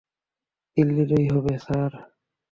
দিল্লিরই হবে, স্যার।